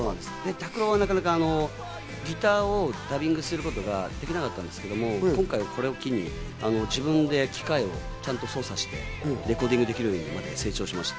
ＴＡＫＵＲＯはギターをダビングすることができなかったんですけど、今回これを機に、自分で機械をちゃんと操作してレコーディングできるようにまで成長しました。